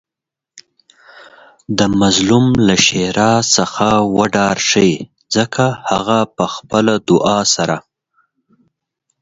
د مظلوم له ښیرا څخه وډار شئ ځکه هغه په خپلې دعاء سره